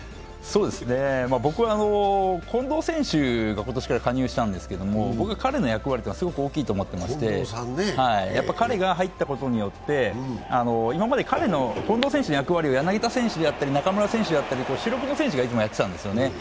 僕は近藤選手が今年から加入したんですけど、僕は彼の役割がすごいと思っていまして彼が入ったことによって今まで近藤選手の役割を柳田選手であったり中村選手であったり、主力の選手がやってたんですよね。